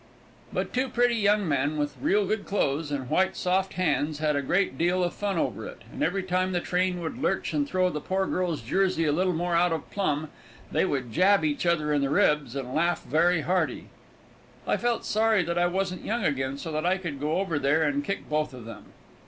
But two pretty young men, with real good clothes, and white, soft hands, had a great deal of fun over it, and every time the train would lurch and throw the poor girl's jersey a little more out of plumb, they would jab each other in the ribs, and laugh very hearty. I felt sorry that I wasn't young again, so that I could go over there and kick both of them.